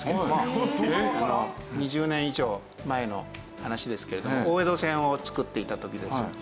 ２０年以上前の話ですけれども大江戸線をつくっていた時です。